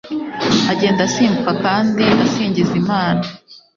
agenda asimbuka kandi asingiza Imana